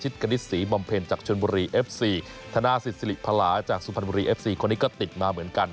ทะนาสิทธิ์ภาราจากสุพรรณบุรีคนนี้ก็ติดมาเหมือนกัน